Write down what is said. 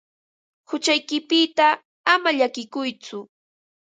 Huchaykipita ama llakikuytsu.